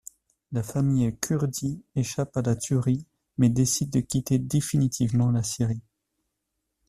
La famille Kurdi échappe à la tuerie mais décide de quitter définitivement la Syrie.